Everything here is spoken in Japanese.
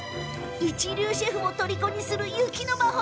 一流シェフもとりこにする雪の魔法。